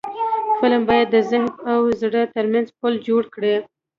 فلم باید د ذهن او زړه ترمنځ پل جوړ کړي